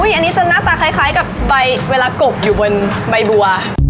อันนี้จะหน้าตาคล้ายกับใบเวลากบอยู่บนใบบัว